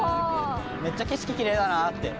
めっちゃ景色キレイだなって。